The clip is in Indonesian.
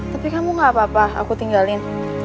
tapi kamu gak apa apa aku tinggalin